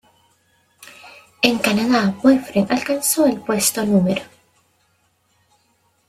En Canadá, "Boyfriend" alcanzó el puesto No.